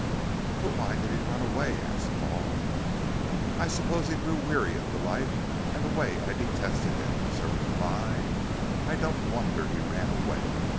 "But why did he run away?" asked Paul. "I suppose he grew weary of the life and the way I detested him," was her reply. "I don't wonder he ran away.